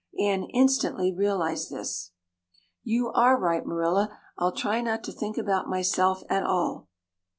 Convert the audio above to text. Anne instantly realized this. "You are right, Marilla. I'll try not to think about myself at all."